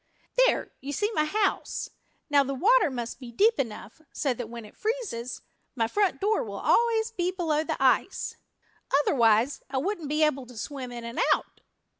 "There, you see my house. Now the water must be deep enough so that when it freezes my front door will always be below the ice. Otherwise I wouldn't be able to swim in and out."